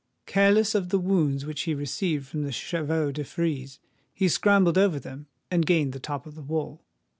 Careless of the wounds which he received from the chevaux de frise, he scrambled over them, and gained the top of the wall.